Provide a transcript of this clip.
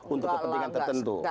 untuk kepentingan tertentu